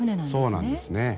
そうなんですね。